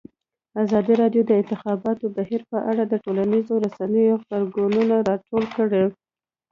ازادي راډیو د د انتخاباتو بهیر په اړه د ټولنیزو رسنیو غبرګونونه راټول کړي.